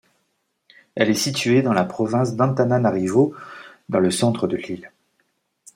Elle est située dans la Province d'Antananarivo, dans le centre de l'île.